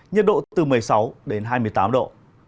nhiệt độ từ một mươi sáu đến hai mươi tám độ